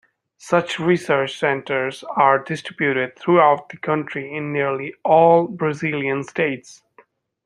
Such research centers are distributed throughout the country in nearly all Brazilian states.